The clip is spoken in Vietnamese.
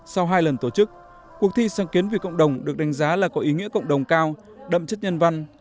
sau hai lần tổ chức cuộc thi sáng kiến vì cộng đồng được đánh giá là có ý nghĩa cộng đồng cao đậm chất nhân văn